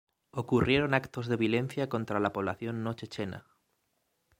Ocurrieron actos de violencia contra la población no-chechena.